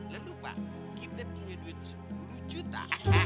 lalu pak kita punya duit sepuluh juta